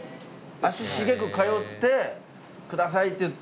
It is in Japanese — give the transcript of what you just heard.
足しげく通って「ください」って言って。